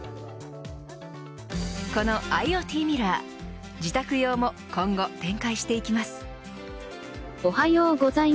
このＩｏＴミラー自宅用も今後展開していきます。